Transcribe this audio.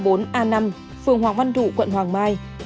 phường hoàng văn thụ quận hoàng mai